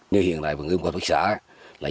như hiện tại vườn nghiêm quả quốc xã